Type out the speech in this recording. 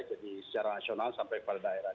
jadi secara nasional sampai kepada daerah